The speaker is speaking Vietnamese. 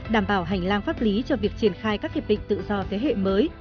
đảm bảo hành lang pháp lý cho việc triển khai các hiệp định tự do thế hệ mới